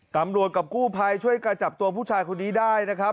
กับกู้ภัยช่วยกันจับตัวผู้ชายคนนี้ได้นะครับ